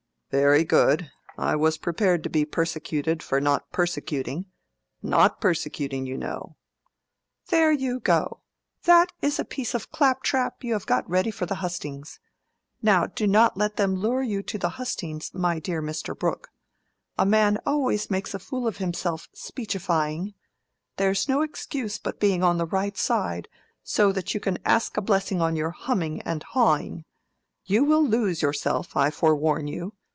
"Very good. I was prepared to be persecuted for not persecuting—not persecuting, you know." "There you go! That is a piece of clap trap you have got ready for the hustings. Now, do not let them lure you to the hustings, my dear Mr. Brooke. A man always makes a fool of himself, speechifying: there's no excuse but being on the right side, so that you can ask a blessing on your humming and hawing. You will lose yourself, I forewarn you.